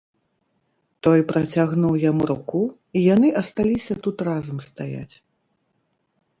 Той працягнуў яму руку, і яны асталіся тут разам стаяць.